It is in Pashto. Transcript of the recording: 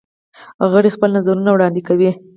غړي خپل نظرونه وړاندې کوي.